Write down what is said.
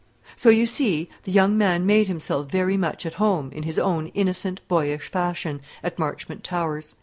So, you see, the young man made himself very much at home, in his own innocent, boyish fashion, at Marchmont Towers.